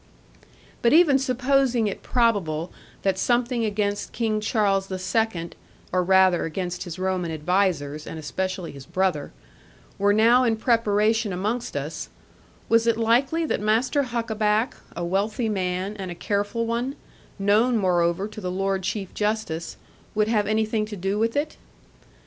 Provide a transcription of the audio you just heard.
But even supposing it probable that something against King Charles the Second (or rather against his Roman advisers, and especially his brother) were now in preparation amongst us, was it likely that Master Huckaback, a wealthy man, and a careful one, known moreover to the Lord Chief Justice, would have anything to do with it?